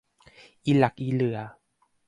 อิหลักอิเหลื่อ